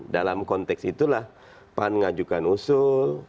dalam konteks itulah pan ngajukan usul